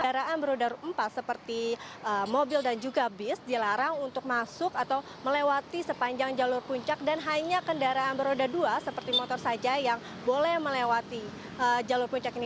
kendaraan berodar empat seperti mobil dan juga bis dilarang untuk masuk atau melewati sepanjang jalur puncak dan hanya kendaraan beroda dua seperti motor saja yang boleh melewati jalur puncak ini